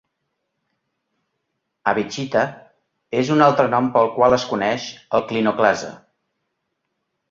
Abichita és un altre nom pel qual es coneix el clinoclasa.